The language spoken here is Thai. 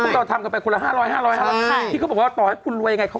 นี่ไงที่ก้าวณีจาก